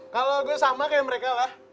kalau gue sama kayak mereka lah